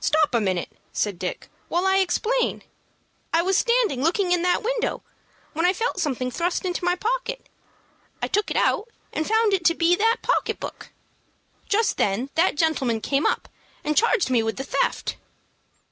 "Stop a minute," said Dick, "while I explain. I was standing looking in at that window, when I felt something thrust into my pocket. I took it out and found it to be that pocket book. Just then that gentleman came up, and charged me with the theft."